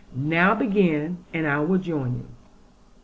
Now begin; and I will join you.'